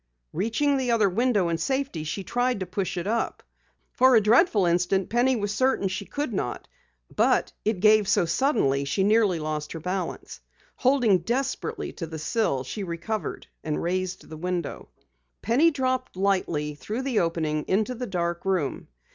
Reaching the other window in safety, she tried to push it up. For a dreadful instant, Penny was certain she could not. But it gave so suddenly she nearly lost her balance. Holding desperately to the sill, she recovered, and raised the window. Penny dropped lightly through the opening into the dark room.